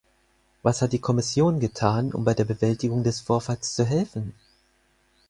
Was hat die Kommission getan, um bei der Bewältigung des Vorfalls zu helfen?